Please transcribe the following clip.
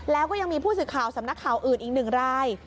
แล้วก็ยังมีผู้สื่อข่าวสำนักข่าวอื่นอีกหนึ่งราย